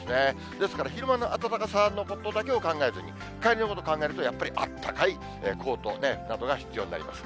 ですから、昼間の暖かさのことだけを考えずに、帰りのこと考えると、やっぱりあったかいコートなどが必要になります。